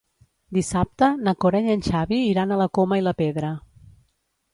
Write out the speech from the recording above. Dissabte na Cora i en Xavi iran a la Coma i la Pedra.